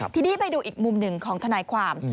ทีนี้ไปดูอีกมุมหนึ่งของทนายความ